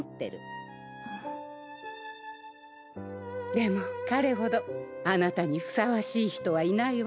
でも彼ほどあなたにふさわしい人はいないわ。